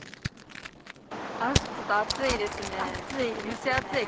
ちょっと暑いですね。